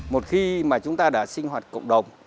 một khi mà chúng ta đã sinh hoạt cộng đồng